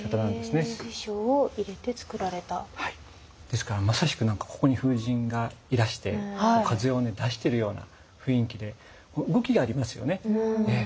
ですからまさしく何かここに風神がいらして風を出してるような雰囲気で動きがありますよね。